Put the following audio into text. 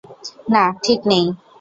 না, ঠিক নেই!